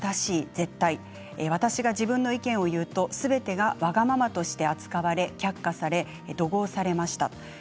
絶対私が自分の意見を言うとすべてがわがままとして扱われ脚下され怒号されました。